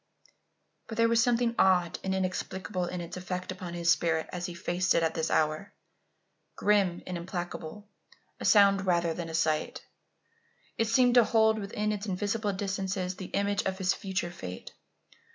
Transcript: But there was something odd and inexplicable in its effect upon his spirit as he faced it at this hour. Grim and implacable a sound rather than a sight it seemed to hold within its invisible distances the image of his future fate.